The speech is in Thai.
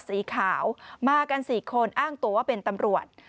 สีขาวมากัน๔คนอ้างตัวว่าเป็นตำรวจ